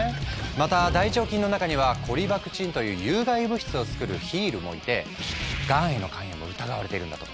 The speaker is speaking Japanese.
また大腸菌の中にはコリバクチンという有害物質をつくるヒールもいてがんへの関与も疑われているんだとか。